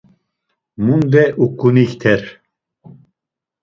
Mundes uǩunikter.